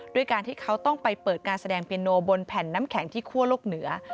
ด้วยการที่เขาต้องไปเปิดการแสดงเปียโนบนแผ่นน้ำแข็งที่คั่วโลกเหนือ